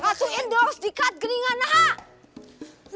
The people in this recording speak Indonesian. langsung endorse di cut geningan nahan